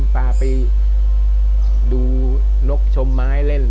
พาไปดูนกชมไม้เล่น